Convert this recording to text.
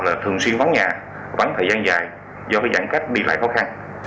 là thường xuyên vắng nhà vắng thời gian dài do giãn cách đi lại khó khăn